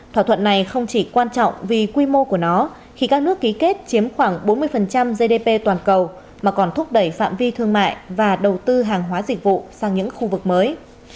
thỏa thuận này không chỉ quan trọng vì quy mô của nó khi các nước ký kết chiếm khoảng bốn mươi gdp toàn cầu mà còn thúc đẩy phạm vi thương mại và đầu tư hàng hóa dịch vụ sang những khu vực mới